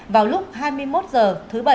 vào lúc hai mươi một h thứ bảy